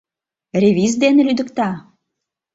Ревиз дене лӱдыкта!